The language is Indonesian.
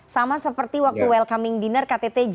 sama seperti waktu welcoming dinner ktt g dua puluh